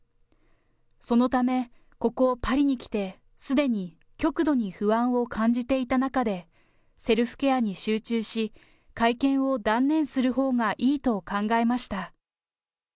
そのため、ここ、パリに来てすでに極度に不安を感じていた中で、セルフケアに集中し、会見を断念するほうがいいと考えました。